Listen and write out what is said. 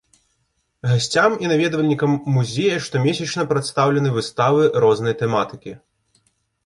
Гасцям і наведвальнікам музея штомесячна прадстаўлены выставы рознай тэматыкі.